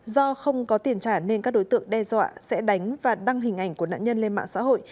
do không có tiền trả nên các đối tượng đe dọa sẽ đánh và đăng hình ảnh của nạn nhân lên mạng xã hội